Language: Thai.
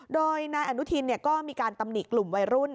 โดยนายอนุทินก็มีการตำหนิกลุ่มวัยรุ่น